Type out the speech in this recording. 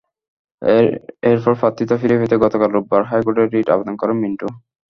এরপর প্রার্থিতা ফিরে পেতে গতকাল রোববার হাইকোর্টে রিট আবেদন করেন মিন্টু।